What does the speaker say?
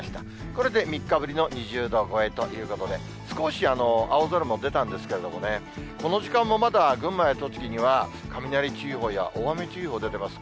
これで３日ぶりの２０度超えということで、少し青空も出たんですけれどもね、この時間もまだ群馬や栃木には、雷注意報や大雨注意報、出ています。